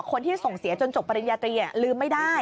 คนที่ส่งเสียจนจบปริญญาตรีลืมไม่ได้